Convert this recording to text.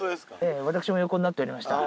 ええ私も横になっておりました。